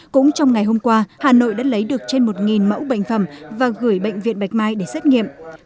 cũng trong ngày hôm qua hà nội đã lấy được trên một mẫu bệnh phẩm và gửi bệnh viện bạch mai để xét nghiệm